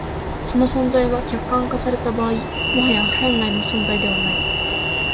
その存在は、客観化された場合、もはや本来の存在でない。